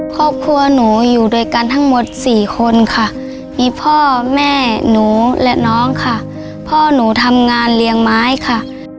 ครอบครัวหนูอยู่ด้วยกันทั้งหมดสี่คนค่ะมีพ่อแม่หนูและน้องค่ะพ่อหนูทำงานเลี้ยงไม้ค่ะ